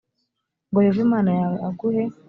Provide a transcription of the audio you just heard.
ngo yehova imana yawe aguhe